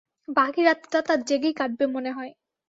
বাকি রাতটা তার জেগেই কাটবে মনে হয়।